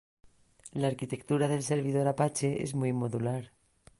La arquitectura del servidor Apache es muy modular.